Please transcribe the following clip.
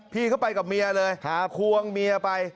พี่เขาไปกับเมียเลยควงเมียไป